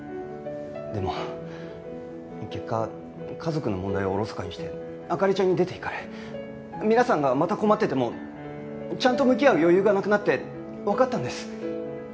でも結果家族の問題をおろそかにして灯ちゃんに出ていかれ皆さんがまた困っててもちゃんと向き合う余裕がなくなってわかったんです。